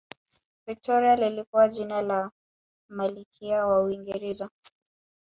victoria lilikuwa jina la malikia wa uingereza